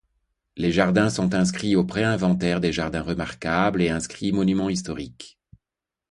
Les jardins sont inscrits au pré-inventaire des jardins remarquables et inscrits monument historique.